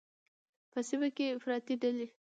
په سیمه کې افراطي ډلې